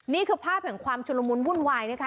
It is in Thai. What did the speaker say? นี่คือภาพแห่งความชุลมุนวุ่นวายนะคะ